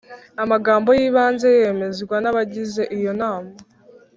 Amagambo y’ibanze yemezwa n’abagize iyo nama,